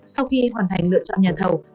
sau khi hoàn thành lựa chọn nhà thầu